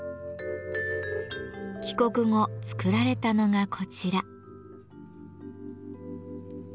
帰国後作られたのがこちら。